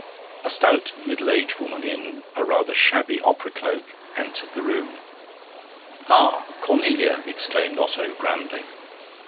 A stout, middle aged woman, in a rather shabby opera cloak, entered the room. 'Ah, Cornelia!' exclaimed Otto grandly.